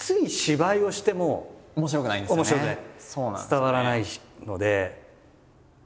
伝わらないので。